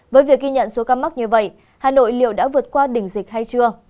với việc ghi nhận số ca mắc như vậy hà nội liệu đã vượt qua đỉnh dịch hay chưa